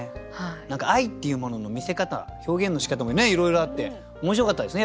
何か愛っていうものの見せ方表現のしかたもねいろいろあって面白かったですね